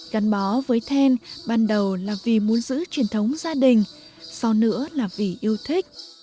gắn bó với then ban đầu là vì muốn giữ truyền thống gia đình sau nữa là vì yêu thích